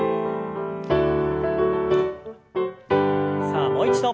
さあもう一度。